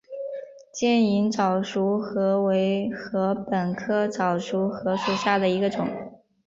尖颖早熟禾为禾本科早熟禾属下的一个种。